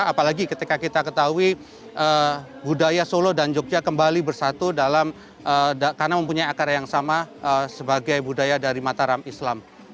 apalagi ketika kita ketahui budaya solo dan jogja kembali bersatu dalam karena mempunyai akar yang sama sebagai budaya dari mataram islam